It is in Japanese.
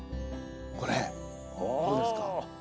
これこれですか？